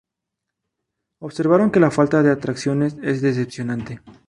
Observaron que la falta de atracciones es decepcionante.